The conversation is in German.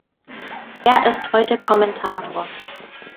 Er ist heute Kommentator.